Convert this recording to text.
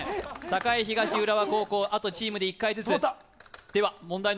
栄東、浦和高校、あとチームで１回ずつ。